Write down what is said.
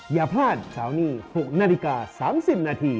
อย่าพลาดเสาร์นี้๖นาฬิกา๓๐นาที